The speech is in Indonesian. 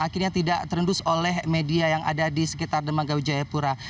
akhirnya tidak terendus oleh media yang ada di sekitar dermaga wijayapura